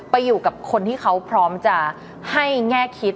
ไปอยู่กับคนที่เขาพร้อมจะให้แง่คิด